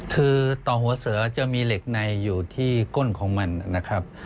คือต่อหัวเสือจะมีเหล็กในอยู่ที่ก้นของมันนะครับ